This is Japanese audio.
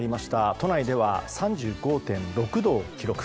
都内では３５．６度を記録。